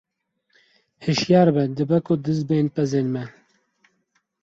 Hişyar be dibe ku diz bên pezên me!